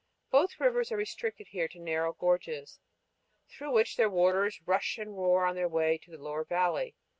Both rivers are restricted here to narrow gorges, through which their waters rush and roar on their way to the lower valley.